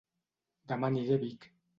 Dema aniré a Vic